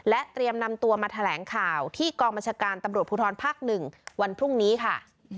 เตรียมนำตัวมาแถลงข่าวที่กองบัญชาการตำรวจภูทรภาค๑วันพรุ่งนี้ค่ะ